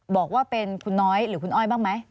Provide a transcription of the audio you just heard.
บอกว่าเป็นคุณน้อยหรือคุณอ้อยบ้างไหม